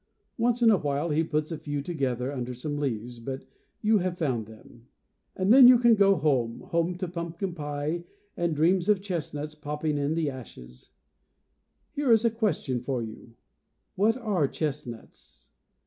Once in a while, he puts a few to gether under some leaves; you may have found them. 69 And then you can go home, home to pumpkin pie, and dreams of chestnuts popping in the ashes. Here is a question for you. What are chestnuts?